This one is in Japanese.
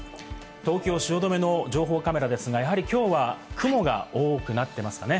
東京・汐留の情報カメラですが、やはりきょうは雲が多くなってますかね。